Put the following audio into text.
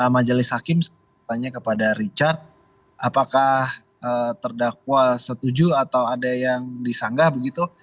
majelis hakim tanya kepada richard apakah terdakwa setuju atau ada yang disanggah begitu